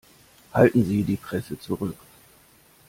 Halten Sie die Presse zurück!